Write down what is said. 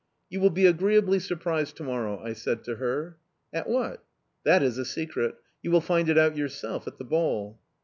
"You will be agreeably surprised to morrow," I said to her. "At what?" "That is a secret... You will find it out yourself, at the ball."